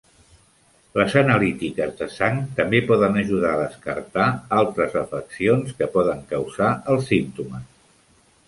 Les analítiques de sang també poden ajudar a descartar altres afeccions que poden causar els símptomes.